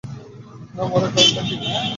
না, মরার কারণটা কী?